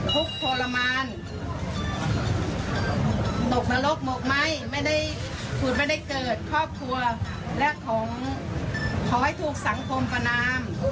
ทุกข์โทรมานตกนรกหมกไม้ผุดไม่ได้เกิดครอบครัวขอให้ถูกสังคมประนาม